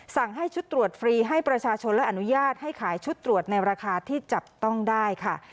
สั่งให้ชุดตรวจฟรีให้ประชาชนและอนุญาตให้ขายชุดตรวจในราคาที่จับต้องได้ค่ะ